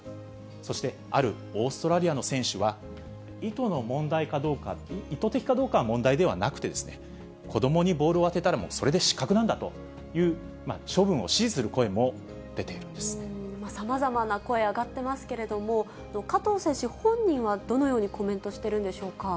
そして、あるオーストラリアの選手は、意図の問題かどうか、意図的かどうかは問題でなく、子どもにボールを当てたら、もうそれで失格なんだという、処分を支持する声も出ているんでさまざまな声、上がってますけれども、加藤選手本人はどのようにコメントしているんでしょうか。